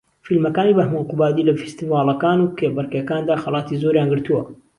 فیلمەکانی بەھمەن قوبادی لە فێستیڤاڵەکان و کێبەرکێکاندا خەڵاتی زۆریان گرتووە